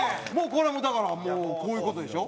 これはだからもうこういう事でしょ？